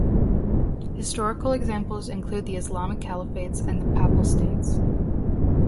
Historical examples include the Islamic Caliphates and the Papal States.